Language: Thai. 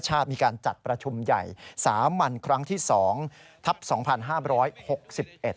กรณีนี้ทางด้านของประธานกรกฎาได้ออกมาพูดแล้ว